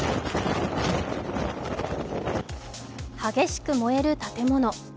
激しく燃える建物。